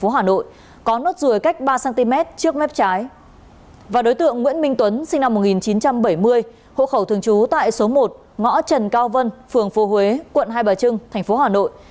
hộ khẩu thường trú tại số một ngõ trần cao vân phường phô huế quận hai bà trưng thành phố hà nội